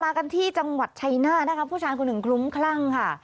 กันที่จังหวัดชัยหน้านะคะผู้ชายคนหนึ่งคลุ้มคลั่งค่ะ